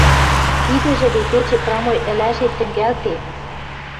Тидӹжӹ вет эче прамой ӹлӓшет тӹнгӓлде.